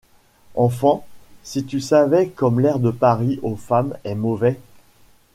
Enfant, si tu savais Comme l’air de Paris aux femmes est mauvais !